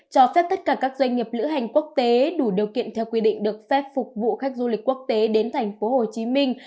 cho phép tất cả các doanh nghiệp lữ hành quốc tế đủ điều kiện theo quy định được phép phục vụ khách du lịch quốc tế đến thành phố hồ chí minh